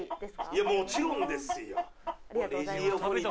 いやもちろんですよ。